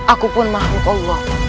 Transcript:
aku pun makhluk allah